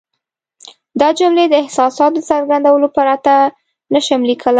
دا جملې د احساساتو د څرګندولو پرته نه شم لیکلای.